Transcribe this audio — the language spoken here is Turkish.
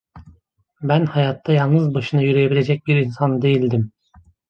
Ben hayatta yalnız başına yürüyebilecek bir insan değildim.